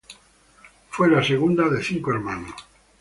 Fue la segunda de cinco hermanos.